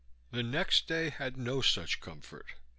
The next day had no such comfort.